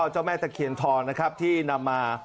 เจ้าแม่ตะเคียนทองนะครับที่นำมา